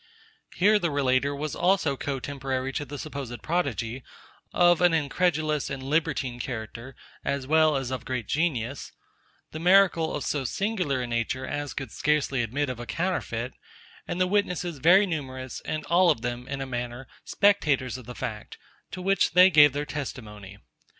Here the relater was also cotemporary to the supposed prodigy, of an incredulous and libertine character, as well as of great genius; the miracle of so singular a nature as could scarcely admit of a counterfeit, and the witnesses very numerous, and all of them, in a manner, spectators of the fact, to which they gave their testimony.